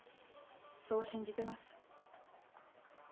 そう信じてます。